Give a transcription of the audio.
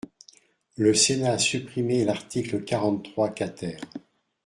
Le Sénat a supprimé l’article quarante-trois quater.